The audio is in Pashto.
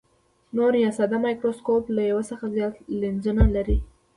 نوري یا ساده مایکروسکوپ له یو څخه زیات لینزونه لري.